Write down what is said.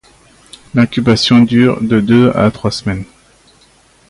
L'incubation dure de deux à trois semaines.